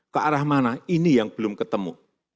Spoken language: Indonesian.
ke arah mana ini yang belum ketemu